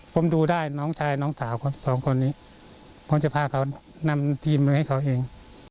ผมดูได้น้องชายน้องสาวเขาสองคนนี้ผมจะพาเขานำทีมมาให้เขาเอง